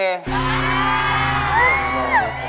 เออ